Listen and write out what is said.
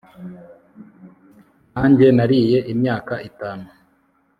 nkanjye nariye imyaka itanu